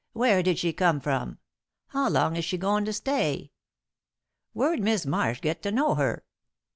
"Where did she come from? How long is she goin' to stay? Where'd Mis' Marsh get to know her?"